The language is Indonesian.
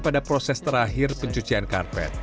pada proses terakhir pencucian karpet